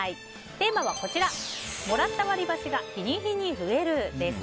テーマは、もらった割り箸が日に日に増えるです。